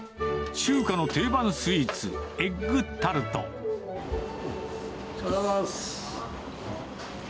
中華の定番スイーツ、おはようございます。